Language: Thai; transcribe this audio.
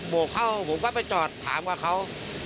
กเข้าผมก็ไปจอดถามกับเขา